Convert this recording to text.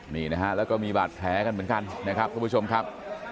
นี่นะฮะแล้วก็มีบาดแผลกันเหมือนกันนะครับทุกผู้ชมครับ